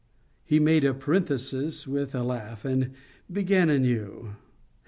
He made the parenthesis with a laugh, and began anew.